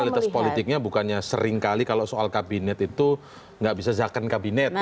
tapi realitas politiknya bukannya sering kali kalau soal kabinet itu nggak bisa second kabinet ya